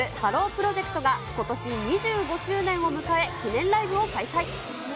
プロジェクトがことし２５周年を迎え、記念ライブを開催。